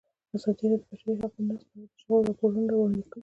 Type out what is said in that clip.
ازادي راډیو د د بشري حقونو نقض په اړه د شخړو راپورونه وړاندې کړي.